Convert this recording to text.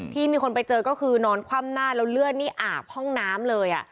ที่มีคนไปเจอก็คือนอนคว่ำหน้าแล้วเลือดนี่อาบห้องน้ำเลย